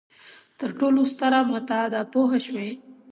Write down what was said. تر ټولو ستره متاع ده پوه شوې!.